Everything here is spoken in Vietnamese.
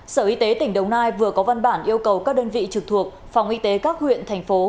sở y tế tỉnh đồng nai vừa có văn bản yêu cầu các đơn vị trực thuộc phòng y tế các huyện thành phố